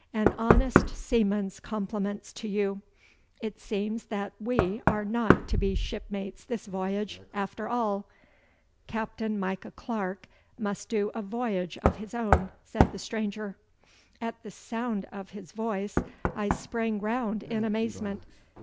'An honest seaman's compliments to you. It seems that we are not to be shipmates this voyage, after all.' 'Captain Micah Clarke must do a voyage of his own,' said the stranger. At the sound of his voice I sprang round in amazement.